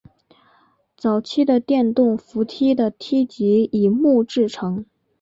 早期的电动扶梯的梯级以木制成。